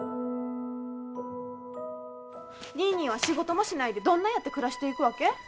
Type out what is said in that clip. ニーニーは仕事もしないでどんなやって暮らしていくわけ？